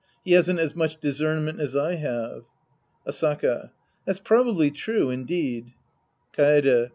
He hasn't as much discernment as I have. Asaka. That's probably true, indeed. Kaede.